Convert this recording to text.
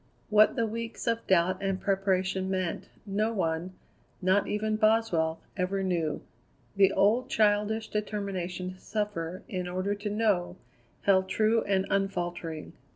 What the weeks of doubt and preparation meant, no one, not even Boswell, ever knew. The old childish determination to suffer, in order to know, held true and unfaltering.